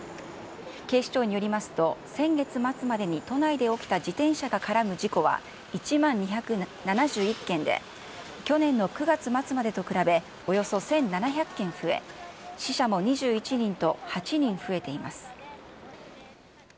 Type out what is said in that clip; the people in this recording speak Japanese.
警視庁によりますと、先月末までに都内で起きた自転車が絡む事故は、１万２７１件で、去年の９月末までと比べ、およそ１７００件増え、死者も２１人と８人増えています。